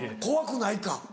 怖くないか。